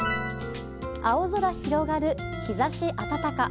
青空広がる、日差し暖か。